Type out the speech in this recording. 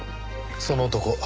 その男